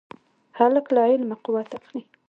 هلک له علمه قوت اخلي.